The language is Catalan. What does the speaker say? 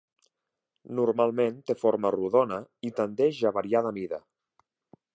Normalment té forma rodona i tendeix a variar de mida.